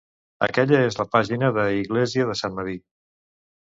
Aquella és la pàgina de Iglesia de Sant Medir.